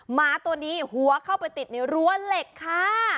หมาตัวนี้หัวเข้าไปติดในรั้วเหล็กค่ะ